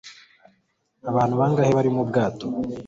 abantu bangahe bari mu bwato